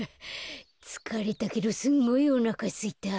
つかれたけどすんごいおなかすいた。